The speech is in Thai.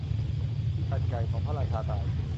กัดไก่ของพระราชาตาย